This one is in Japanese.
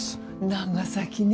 長崎ね